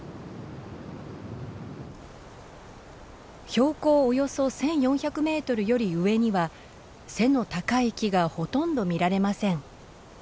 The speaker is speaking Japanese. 標高およそ１，４００メートルより上には背の高い木がほとんど見られません。